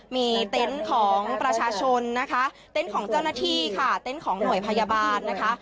มีเต็นต์ของประชาชนนะคะเต็นต์ของเจ้าหน้าที่ค่ะเต็นต์ของหน่วยพยาบาลนะคะ